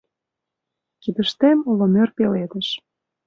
Кидыштем уло мӧр пеледыш